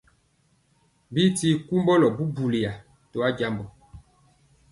Bi ti kumbulɔ mbulɔ to ajambɔ.